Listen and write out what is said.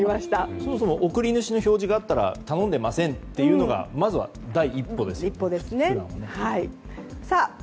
そもそも送り主の表示があったら頼んでませんというのがまずは第一歩ですからね。